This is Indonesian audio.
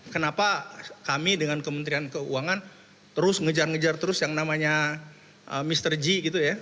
kenapa kami dengan kementerian keuangan terus ngejar ngejar terus yang namanya mr g gitu ya